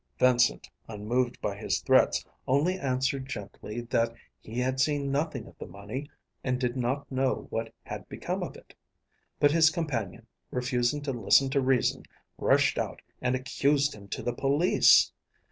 Vincent, unmoved by his threats, only answered gently that he had seen nothing of the money and did not know what had become of it; but his companion, refusing to listen to reason, rushed out and accused him to the police.